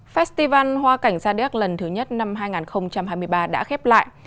festival hoa cảnh gia điếc lần thứ nhất năm hai nghìn hai mươi ba đã khép lại